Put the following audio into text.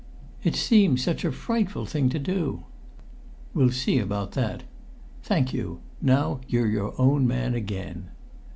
"It seems such a frightful thing to do!" "We'll see about that. Thank you; now you're your own man again."